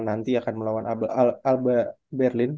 nanti akan melawan al berlin